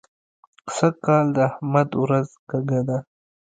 سږ کال د احمد ورځ کږه ده.